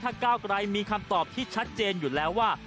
ก้าวไกรมีคำตอบที่ชัดเจนอยู่แล้วว่า